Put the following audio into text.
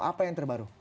apa yang terbaru